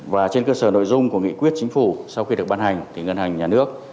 và trên cơ sở nội dung của nghị quyết chính phủ sau khi được ban hành thì ngân hàng nhà nước